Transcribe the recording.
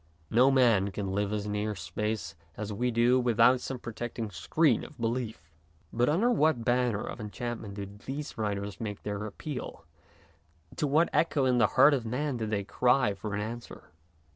No man can live as near space as we do without some protecting screen of belief. But under what banner of enchantment do these writers make their appeal, to what echo in the heart of man do they cry for an answer?